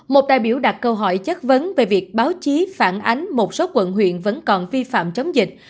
một đại biểu đặt câu hỏi chất vấn về việc báo chí phản ánh một số quận huyện vẫn còn vi phạm chống dịch